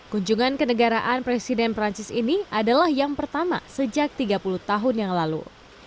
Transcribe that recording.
kunjungan kenegaraan presiden perancis ini adalah yang pertama sejak tiga puluh tahun yang lalu